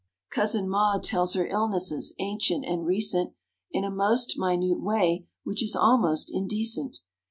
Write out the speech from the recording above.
Cousin Maud tells her illnesses, ancient and recent, In a most minute way which is almost indecent!